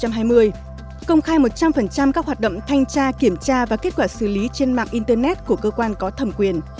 trong các hoạt động thanh tra kiểm tra và kết quả xử lý trên mạng internet của cơ quan có thẩm quyền